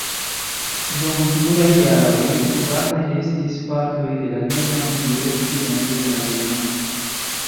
Dum pluraj jaroj okupataj restis partoj de Germanio okcidente de la Rejno.